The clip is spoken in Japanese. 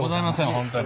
本当に。